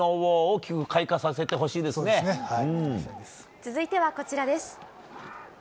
続いてはこちらです。